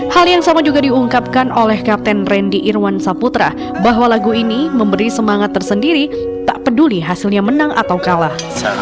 hal yang sama juga diungkapkan oleh kapten randy irwan saputra bahwa lagu ini memberi semangat tersendiri tak peduli hasilnya menang atau kalah